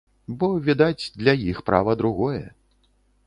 Бо, відаць, для іх права другое.